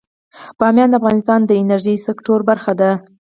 بامیان د افغانستان د انرژۍ سکتور برخه ده.